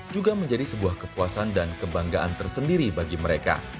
juga menjadi sebuah kepuasan dan kebanggaan tersendiri bagi mereka